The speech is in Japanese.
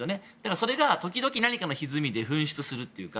それが時々、何かのひずみで噴出するというか。